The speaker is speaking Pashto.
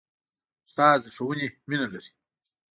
استاد د ښوونې مینه لري.